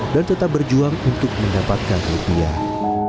dan tetap berjuang untuk mendapatkan kelebihan